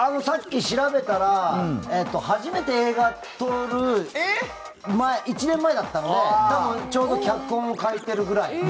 さっき調べたら初めて映画を撮る１年前だったのでちょうど脚本を書いているぐらい。